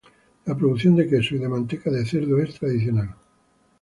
La producción de queso y de manteca de cerdo es tradicional.